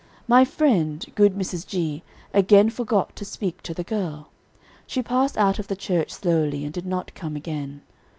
My friend, good Mrs. G., again forgot to speak to the girl. She passed out of the church slowly, and did not come again.